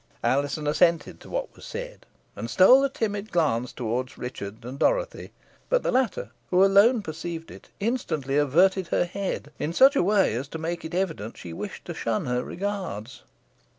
Alizon assented to what was said, and stole a timid glance towards Richard and Dorothy; but the latter, who alone perceived it, instantly averted her head, in such way as to make it evident she wished to shun her regards.